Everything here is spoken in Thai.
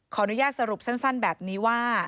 ขออนุญาตสรุปสั้นแบบนี้ว่า